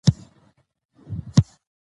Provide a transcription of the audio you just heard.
چټک خدمت د ماشوم ستونزې کموي.